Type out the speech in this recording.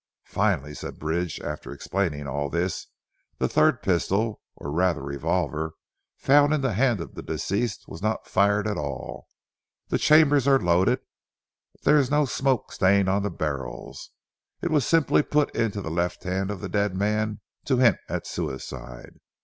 "Finally," said Bridge after explaining all this, "the third pistol or rather revolver found in the hand of the deceased, was not fired at all. The chambers are loaded there is no smoke stain on the barrels. It was simply put into the left hand of the dead to hint at suicide.